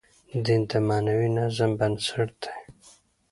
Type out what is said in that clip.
دین د معنوي نظم بنسټ دی.